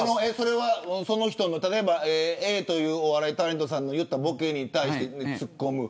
例えばＡというお笑いタレントさんの言ったボケに対してツッコむ。